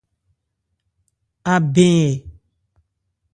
Abɛn ɛ ?